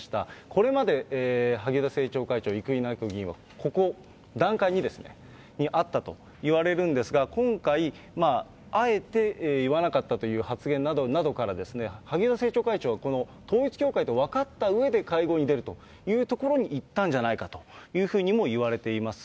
これまで萩生田政調会長、生稲晃子議員はここ、段階２ですね、あったといわれるんですけれども、今回、あえて言わなかったという発言などなどから、萩生田政調会長はこの統一教会と分かったうえで会合に出るというところにいったんじゃないかというふうにも言われています。